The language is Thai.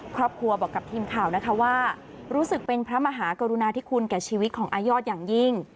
ครอบครัวบอกกับทีมข่าวนะคะว่ารู้สึกเป็นพระมหากรุณาธิคุณแก่ชีวิตของอายอดอย่างยิ่ง